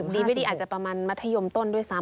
ดีหรือดีอาจจะประมาณมัธยมต้นด้วยสาม